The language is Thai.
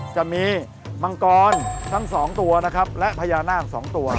จะมีมังกรทั้ง๒ตัวนะครับและพญานาค๒ตัว